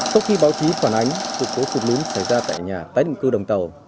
tốt khi báo chí phản ánh sự cố phục lũng xảy ra tại nhà tái định cư đồng tàu